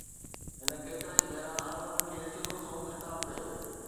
هن ڪيترائي ڀيرا عالمن کي سڌو سنئون خطاب ڪيو.